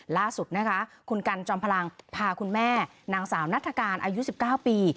ล่าสุดนะคะคุณกันจอมพลังพาคุณแม่นางสาวนัฐกาลอายุ๑๙ปี